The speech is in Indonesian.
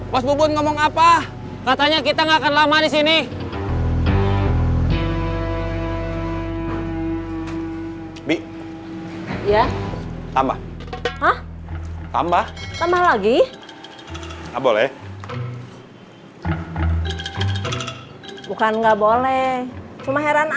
bos bubun aku mau berbicara tentang aturan